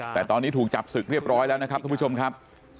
แต่ตอนนี้ถูกจับศึกเรียบร้อยแล้วนะครับทุกผู้ชมครับ